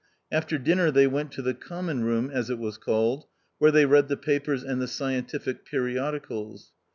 After dinner they went to the Common room, as it was called, where they read the papers and the scientific per iodicals.